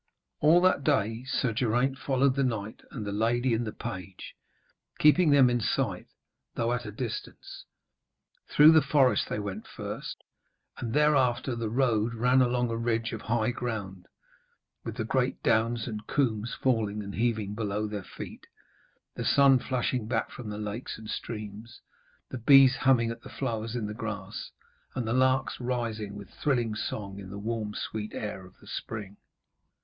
All that day Sir Geraint followed the knight and the lady and the page, keeping them in sight, though at a distance. Through the forest they went first, and thereafter the road ran along a ridge of high ground, with the great downs and combes falling and heaving below their feet, the sun flashing back from lakes and streams, the bees humming at the flowers in the grass, and the larks rising with thrilling song in the warm sweet air of the spring.